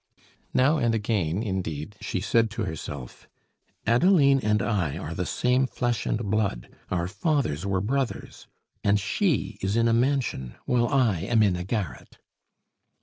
Now and again, indeed, she said to herself: "Adeline and I are the same flesh and blood, our fathers were brothers and she is in a mansion, while I am in a garret."